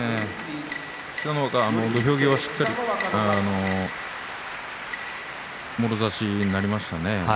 北の若は土俵際しっかりもろ差しになりましたね。